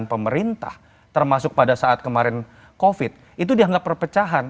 dan pemerintah termasuk pada saat kemarin covid itu dianggap perpecahan